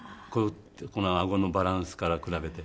この顎のバランスから比べて。